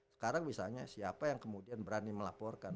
sekarang misalnya siapa yang kemudian berani melaporkan